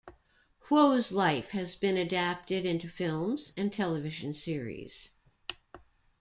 Huo's life has been adapted into films and television series.